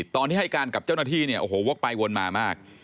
ตอนที่ให้การกับเจ้าหน้าที่เนี่ยโอ้โหวกไปวนมามาก